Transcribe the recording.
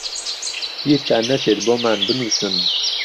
بیرتان نەچێت بۆمان بنووسن.